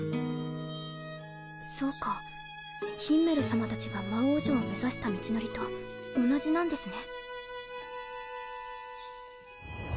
そうかヒンメル様たちが魔王城を目指した道のりと同じなんですね。